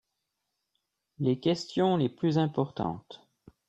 Les questions les plus importantes.